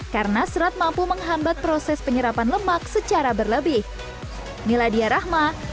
karena serat mampu menghambat proses penyerapan lemak secara berlebih